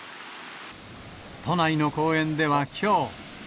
都内の公園ではきょう。